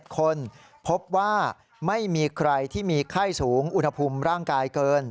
คนพบว่าไม่มีใครที่มีไข้สูงอุณหภูมิร่างกายเกิน